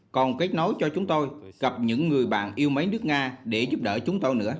còn kết nối cho chúng tôi gặp những người bạn yêu mến nước nga để giúp đỡ chúng tôi nữa